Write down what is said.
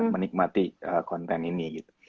menikmati konten ini